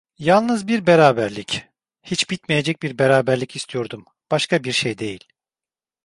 Yalnız bir beraberlik, hiç bitmeyecek bir beraberlik istiyordum, başka bir şey değil.